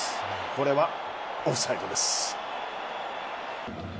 これはオフサイドです。